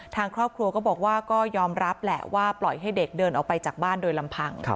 ทางครอบครัวก็บอกว่าก็ยอมรับแหละว่าปล่อยให้เด็กเดินออกไปจากบ้านโดยลำพัง